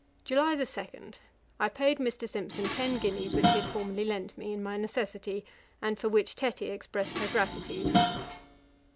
'July 2. I paid Mr. Simpson ten guineas, which he had formerly lent me in my necessity and for which Tetty expressed her gratitude.'